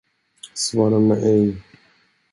Svara mig ej.